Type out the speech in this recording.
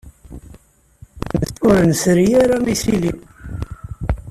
Ur nesri ara isili.